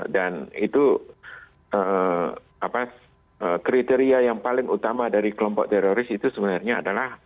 dan itu kriteria yang paling utama dari kelompok teroris itu sebenarnya adalah